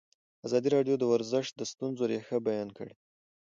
ازادي راډیو د ورزش د ستونزو رېښه بیان کړې.